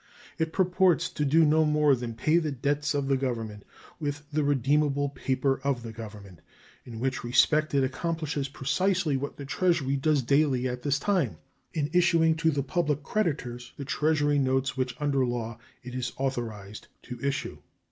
It purports to do no more than pay the debts of the Government with the redeemable paper of the Government, in which respect it accomplishes precisely what the Treasury does daily at this time in issuing to the public creditors the Treasury notes which under law it is authorized to issue.